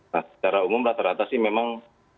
nah secara umum rata rata sih memang